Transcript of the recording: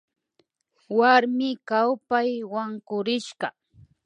Warmi kawpay wankurishka